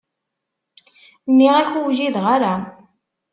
Nniɣ-ak ur wjideɣ ara.